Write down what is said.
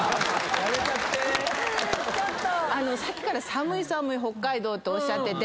さっきから寒い寒い北海道っておっしゃってて。